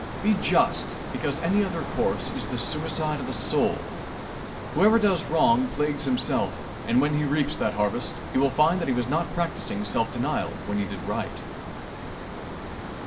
Be just, because any other course is the suicide of the soul. Whoever does wrong plagues himself, and when he reaps that harvest, he will find that he was not practicing self denial when he did right.